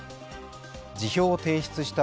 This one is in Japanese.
辞表を提出した